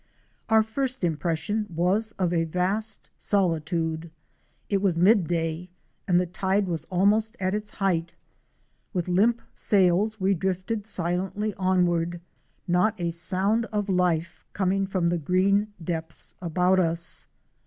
Our first impression was of a vast solitude. It was mid day, and the tide was almost at its height. With limp sails we drifted silently onward, not a sound of life coming from the green depths about us.